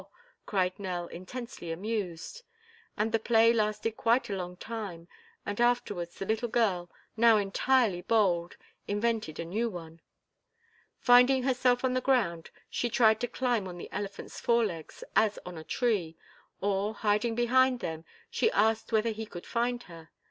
cried Nell, intensely amused. And the play lasted quite a long time and afterwards the little girl, now entirely bold, invented a new one. Finding herself on the ground, she tried to climb on the elephant's fore legs, as on a tree, or, hiding behind them, she asked whether he could find her.